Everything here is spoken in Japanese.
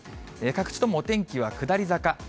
各地ともお天気は下り坂。